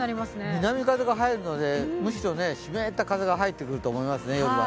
南風が入るのでむしろ湿った風が入ってくると思いますね、夜は。